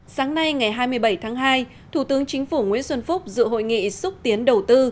sáng nay ngày hai mươi bảy tháng hai thủ tướng chính phủ nguyễn xuân phúc dự hội nghị xúc tiến đầu tư